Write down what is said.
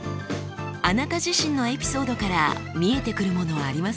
あなた自身のエピソードから見えてくるものはありますか？